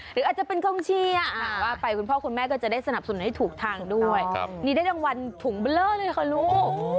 หรืออาจจะเป็นกองเชียร์ว่าไปคุณพ่อคุณแม่ก็จะได้สนับสนุนให้ถูกทางด้วยนี่ได้รางวัลถุงเบอร์เลอร์เลยค่ะลูก